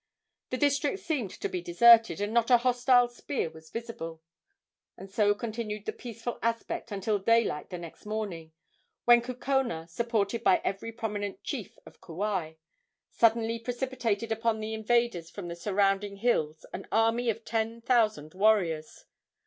The district seemed to be deserted, and not a hostile spear was visible. And so continued the peaceful aspect until daylight the next morning, when Kukona, supported by every prominent chief of Kauai, suddenly precipitated upon the invaders from the surrounding hills an army of ten thousand warriors.